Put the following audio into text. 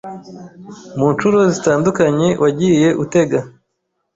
mu nshuro zitandukanye wagiye utega.